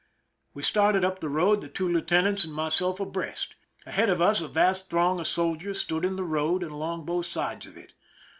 We started up the road, the two lieutenants and myself abreast. Ahead of us a vast throng of soldiers stood in the road and along both sides of it.